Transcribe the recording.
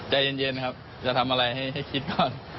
ใจเย็นครับจะทำอะไรให้คิดก่อน